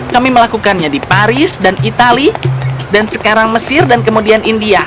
kami melakukannya di paris dan itali dan sekarang mesir dan kemudian india